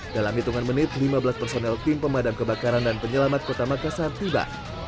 dalam hitungan menit lima belas personel tim pemadam kebakaran dan penyelamat kota makassar tiba